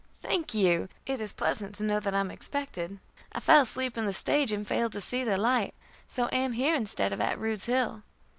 "Thank you. It is pleasant to know that I am expected. I fell asleep in the stage, and failed to see the light, so am here instead of at Rude's Hill."